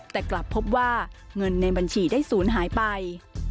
แต่กลับพบว่าเงินในบัญชีได้ศูนย์หายไป